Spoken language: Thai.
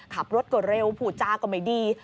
ขับรถก็เร็วผู้จาก็ไม่ดี